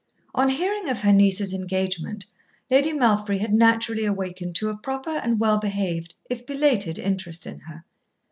On hearing of her niece's engagement, Lady Malfry had naturally awakened to a proper and well behaved if belated interest in her.